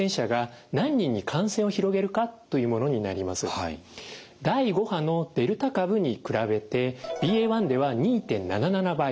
これは第５波のデルタ株に比べてＢＡ．１では２．７７倍。